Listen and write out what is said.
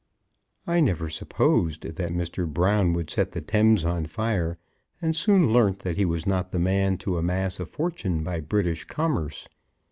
I never supposed that Mr. Brown would set the Thames on fire, and soon learnt that he was not the man to amass a fortune by British commerce.